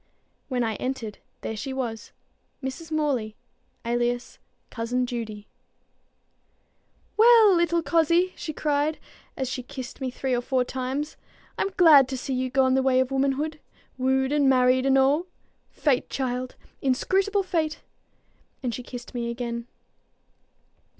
When I entered, there she was, Mrs. Morley, alias Cousin Judy. "Well, little cozzie!" she cried, as she kissed me three or four times, "I'm glad to see you gone the way of womankind, wooed and married and a'! Fate, child! inscrutable fate!" and she kissed me again.